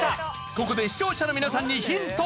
ここで視聴者の皆さんにヒント。